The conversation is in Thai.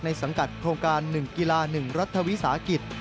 สังกัดโครงการ๑กีฬา๑รัฐวิสาหกิจ